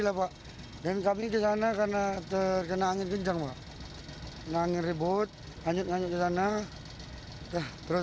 lapa dan kami kesana karena terkena angin kencang mak nangis ribut lanjut lanjut ke sana terus